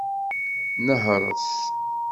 Nehṛet!